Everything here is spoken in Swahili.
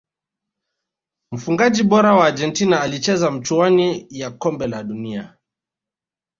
mfungaji bora wa argentina alicheza michuani ya kombe la dunia